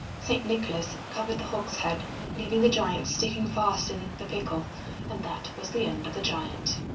Saint Nicholas covered the hogshead, leaving the giant sticking fast in the pickle, and that was the end of the giant.